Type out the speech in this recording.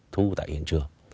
thu tại hiện trường